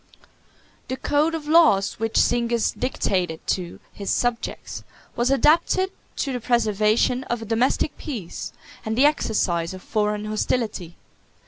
—M.] The code of laws which Zingis dictated to his subjects was adapted to the preservation of a domestic peace, and the exercise of foreign hostility.